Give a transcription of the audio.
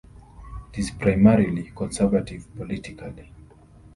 It is primarily conservative politically.